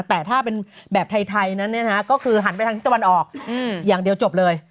แต่ถ้าเป็นแบบไทยนั้นก็คือหันไปทางที่ตะวันออกอย่างเดียวจบเลย